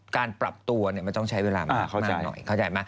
การปรับตัวเนี่ยมันต้องใช้เวลามันมากหน่อย